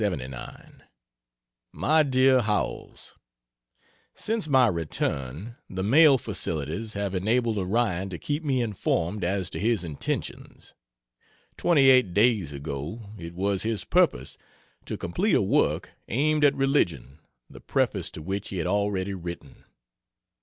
MY DEAR HOWELLS, Since my return, the mail facilities have enabled Orion to keep me informed as to his intentions. Twenty eight days ago it was his purpose to complete a work aimed at religion, the preface to which he had already written.